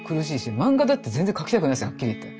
漫画だって全然描きたくないですよはっきり言って。